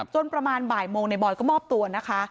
ประมาณบ่ายโมงในบอยก็มอบตัวนะคะ